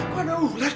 kok ada ular